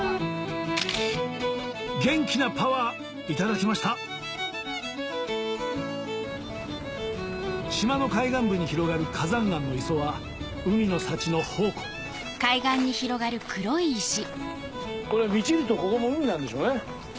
元気なパワー頂きました島の海岸部に広がる火山岩の磯は海の幸の宝庫これ満ちるとここも海なんでしょうね。